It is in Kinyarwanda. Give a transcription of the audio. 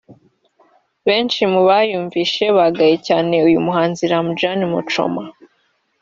benshi mu bayumvise bagaye cyane uyu muhanzi Ramjaane Muchoma